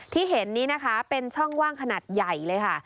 ที่เห็นนี้นะคะเป็นช่องว่างขนาดใหญ่เลยค่ะ